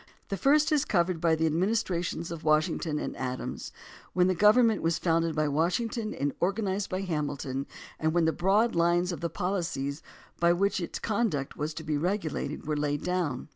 The first is covered by the ad ministrations of Washington and Adams, when the government was founded by Washington and organ ized by Hamilton, and when the broad lines of the policies by which its conduct was to be regulated were laid down.